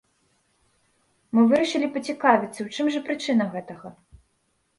Мы вырашылі пацікавіцца, у чым жа прычына гэтага.